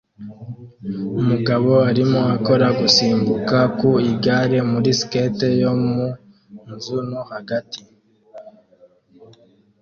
Umugabo arimo akora gusimbuka ku igare muri skate yo mu nzu no hagati